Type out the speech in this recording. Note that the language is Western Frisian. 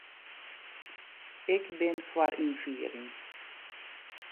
Ik bin foar ynfiering.